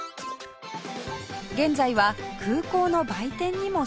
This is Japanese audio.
現在は空港の売店にも進出